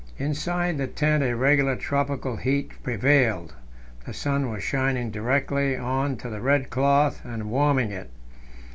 Inside the tent a regular tropical heat prevailed; the sun was shining directly on to the red cloth and warming it.